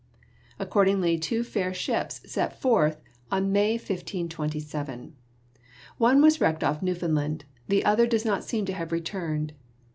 Ac cordingly, "two faire ships" set forth in May, 1527. One 30 GEOLOGY was wrecked off Newfoundland, the other does not seem to have returned.